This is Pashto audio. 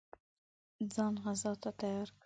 ځان غزا ته تیار کړي.